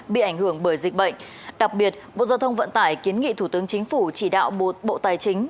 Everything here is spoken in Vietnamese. bị ảnh hưởng bởi dịch bệnh đặc biệt bộ giao thông vận tải kiến nghị thủ tướng chính phủ chỉ đạo bộ tài chính